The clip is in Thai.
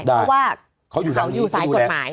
เพราะว่าเขาอยู่สายกฎหมาย